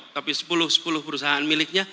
tapi sepuluh perusahaan miliknya